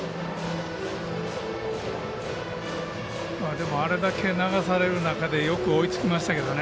でもあれだけ流される中でよく追いつきましたよね